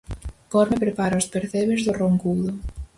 Corme prepara os percebes do Roncudo.